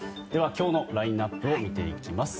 今日のラインアップを見ていきます。